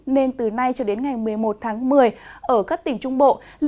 nên từ nay cho đến ngày một mươi một tháng một mươi ở các tỉnh trung bộ